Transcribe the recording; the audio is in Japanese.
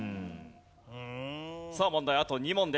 さあ問題はあと２問です。